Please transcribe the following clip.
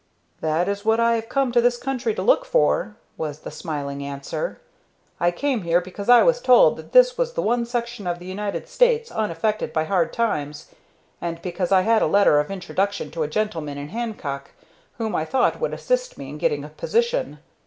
"That is what I have come to this country to look for," was the smiling answer. "I came here because I was told that this was the one section of the United States unaffected by hard times, and because I had a letter of introduction to a gentleman in Hancock whom I thought would assist me in getting a position.